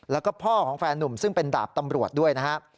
แล้วก็พ่อของแฟนนุ่มซึ่งเป็นดาบตำรวจด้วยนะครับ